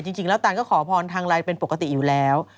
จริงแล้วตานก็ขอพรทางไลน์เป็นปกติอยู่แล้ว